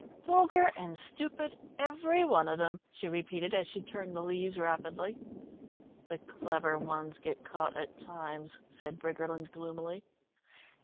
"Vulgar and stupid, every one of them," she repeated, as she turned the leaves rapidly. "The clever ones get caught at times," said Briggerland gloomily.